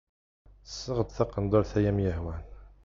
Seɣ-d taqendurt ay am-yehwan.